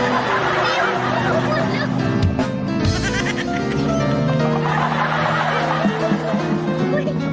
หัว